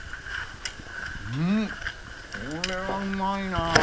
んっこれはうまいなあ。